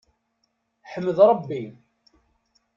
Ḥmed Rebbi.